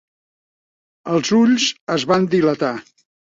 Els ulls es van dilatar.